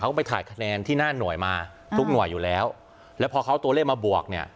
เขาไปถ่ายคะแนนที่หน้าหน่วยมาทุกหน่วยอยู่แล้วแล้วพอเขาเอาตัวเลขมาบวกเนี่ย